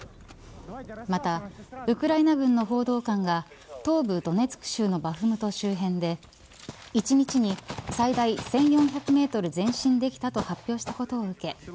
またウクライナ軍の報道官が東部ドネツク州のバフムト周辺で１日に最大１４００メートル前進できたと発表したことを受け